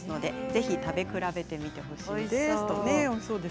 ぜひ食べ比べてほしいです。